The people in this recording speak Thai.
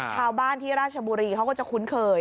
ชาวบ้านที่ราชบุรีเขาก็จะคุ้นเคย